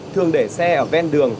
thường để xe ở ven đường